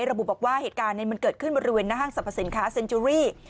ระบุบอกว่าเหตุการณ์มันเกิดขึ้นบริเวณหน้าห้างสรรพสินค้าเซ็นจูรี่